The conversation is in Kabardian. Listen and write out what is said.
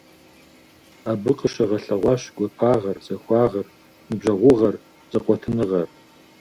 Абы къыщыгъэлъэгъуащ гуапагъэр, захуагъэр, ныбжьэгъугъэр, зэкъуэтыныгъэр.